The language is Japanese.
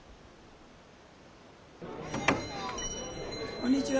こんにちは。